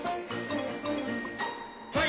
はい。